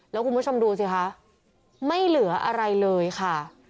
แล้วคุณผู้ชมดูสิคะไม่เหลืออะไรเลยค่ะ